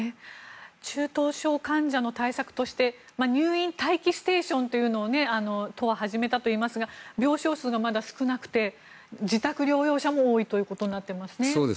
中等症患者の対策として入院待機ステーションというのを都は始めたといいますが病床数がまだ少なくて自宅療養者も多いということになっていますね。